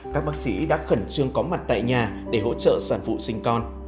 các bác sĩ đã khẩn trương có mặt tại nhà để hỗ trợ sản phụ sinh con